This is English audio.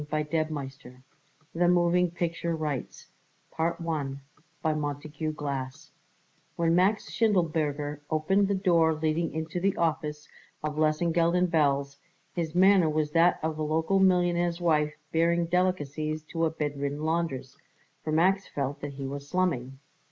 CHAPTER SEVEN THE MOVING PICTURE WRITES When Max Schindelberger opened the door leading into the office of Lesengeld & Belz his manner was that of the local millionaire's wife bearing delicacies to a bedridden laundress, for Max felt that he was slumming.